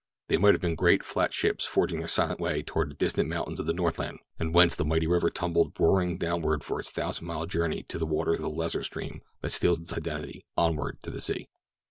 They might have been great, flat ships forging their silent way toward the distant mountains of the northland and whence the mighty river tumbled roaring downward for its thousand mile journey to the waters of the lesser stream that steals its identity, onward to the sea.